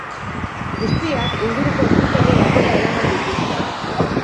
Guztiak inguruko ospitale batera eraman dituzte.